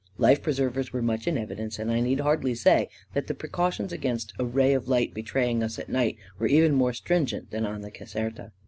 Life preservers were much in evidence 9 and I need hardly say that the precau tions against a ray of light betraying us at night were even more stringent than on the Caserta.